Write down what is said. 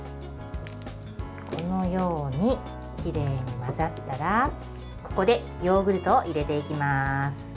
このようにきれいに混ざったらここでヨーグルトを入れていきます。